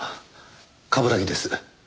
冠城です。